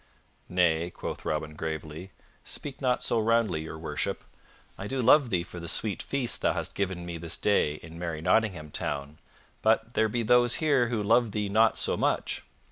"Nay," quoth Robin gravely. "Speak not so roundly, Your Worship. I do love thee for the sweet feast thou hast given me this day in merry Nottingham Town; but there be those here who love thee not so much.